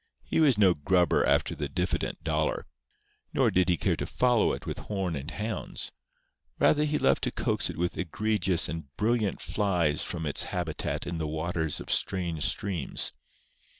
He was no grubber after the diffident dollar. Nor did he care to follow it with horn and hounds. Rather he loved to coax it with egregious and brilliant flies from its habitat in the waters of strange streams.